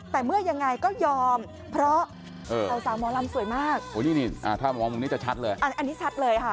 แต่เมื่อยยังไงก็ยอมเพราะชาวสามอลำสวยมากอันนี้ชัดเลยค่ะนี่เห็นไหมค่ะ